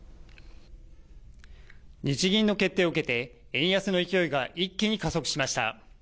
日銀の決定を受けて、円安の勢いが一気に加速しました。